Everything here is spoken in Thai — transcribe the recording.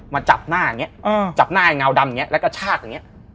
มาจับหน้าอย่างนี้จับหน้าไอเงาดำอย่างนี้แล้วก็ชากอย่างนี้